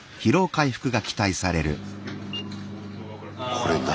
これ何？